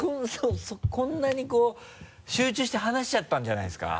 こんなにこう集中して話しちゃったんじゃないですか？